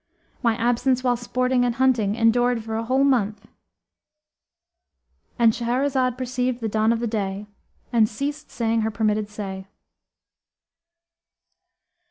My absence while sporting and hunting endured for a whole month"—And Shahrazad perceived the dawn of day and ceased saying her permitted say.